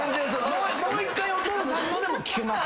もう一回お父さんのでも聞けます。